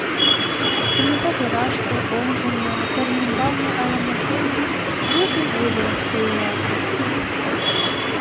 Кенета тораште, ончылно, корно ӱмбалне ала-мо шеме «выде-вудо» койылалтыш...